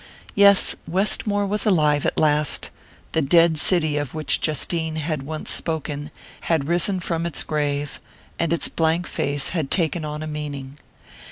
Yes Westmore was alive at last: the dead city of which Justine had once spoken had risen from its grave, and its blank face had taken on a meaning.